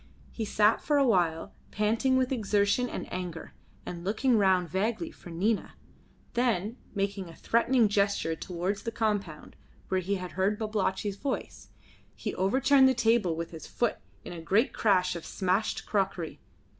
He sat for awhile panting with exertion and anger, and looking round vaguely for Nina; then making a threatening gesture towards the compound, where he had heard Babalatchi's voice, he overturned the table with his foot in a great crash of smashed crockery.